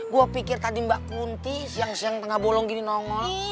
gue pikir tadi mbak kunti siang siang tengah bolong gini nongol